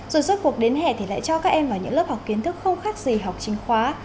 dù suốt cuộc đến hè thì lại cho các em vào những lớp học kiến thức không khác gì học chính khóa